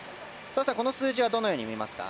澤さん、この数字はこのように見ますか？